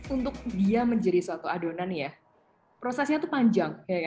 untuk dia menjadi suatu adonan ya prosesnya itu panjang